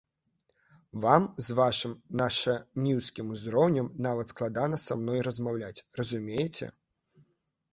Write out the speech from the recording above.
Вам, з вашым нашаніўскім узроўнем, нават складана са мной размаўляць, разумееце.